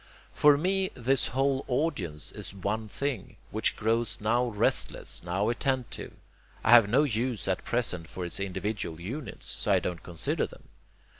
For me, this whole 'audience' is one thing, which grows now restless, now attentive. I have no use at present for its individual units, so I don't consider them.